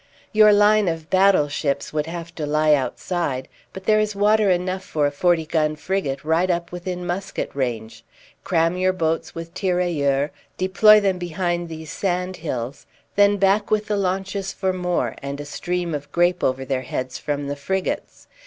"Your line of battleships would have to lie outside; but there is water enough for a forty gun frigate right up within musket range. Cram your boats with tirailleurs, deploy them behind these sandhills, then back with the launches for more, and a stream of grape over their heads from the frigates.